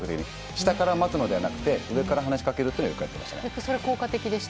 下から待つのではなくて、上から話しかけるというのをよくやってそれは効果的でした？